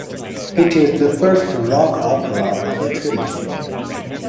It is the first rock opera of a trilogy.